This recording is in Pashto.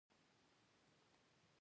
حجم یې ډیریږي او په لږیدو سره کمیږي.